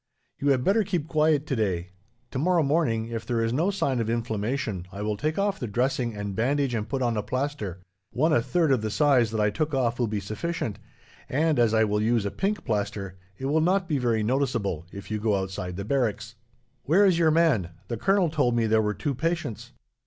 You had better keep quiet, today. Tomorrow morning, if there is no sign of inflammation, I will take off the dressing and bandage and put on a plaster one a third of the size that I took off will be sufficient; and as I will use a pink plaster, it will not be very noticeable, if you go outside the barracks. "Where is your man? The colonel told me there were two patients.